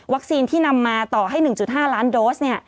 วัคซีนที่นำมาต่อให้๑๕ล้านโดสน์